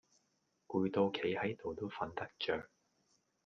攰到企係到都訓得著